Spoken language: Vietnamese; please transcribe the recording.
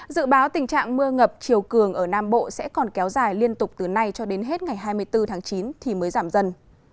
dự báo tình trạng mưa ngập chiều cường ở nam bộ sẽ còn kéo dài liên tục từ nay cho đến hết ngày hai mươi bốn tháng chín thì mới giảm dần